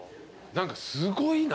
何かすごいな。